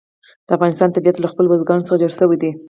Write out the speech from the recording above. د افغانستان طبیعت له خپلو بزګانو څخه جوړ شوی دی.